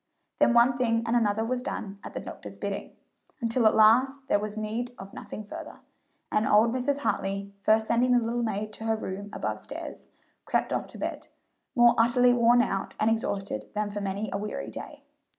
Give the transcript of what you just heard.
Then one thing and another was done at the doctor's bidding, until at last there was need of nothing further, and old Mrs. Hartley, first sending the little maid to her room above stairs, crept off to bed, more utterly worn out and exhausted than for many a weary day.